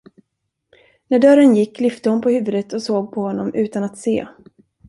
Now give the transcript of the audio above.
När dörren gick, lyfte hon på huvudet och såg på honom utan att se.